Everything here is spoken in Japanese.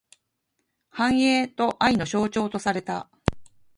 繁栄と愛の象徴とされた。